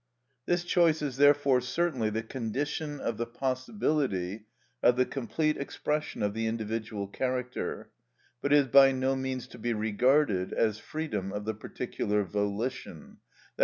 This choice is therefore certainly the condition of the possibility of the complete expression of the individual character, but is by no means to be regarded as freedom of the particular volition, _i.